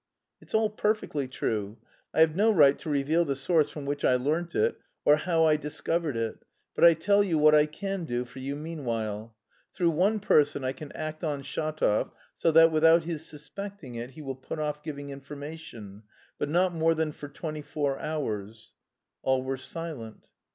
"It's all perfectly true. I have no right to reveal the source from which I learnt it or how I discovered it, but I tell you what I can do for you meanwhile: through one person I can act on Shatov so that without his suspecting it he will put off giving information, but not more than for twenty four hours." All were silent.